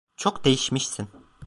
Çok değişmişsin…